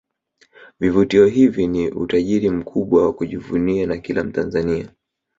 Vivutio hivi ni utajiri mkubwa wa kujivunia na kila Mtanzania